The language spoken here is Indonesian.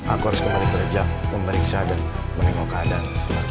aku harus kembali kerja memeriksa dan menengok keadaan